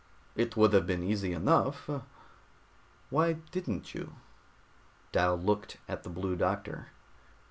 "It would have been easy enough. Why didn't you?" Dal looked at the Blue Doctor.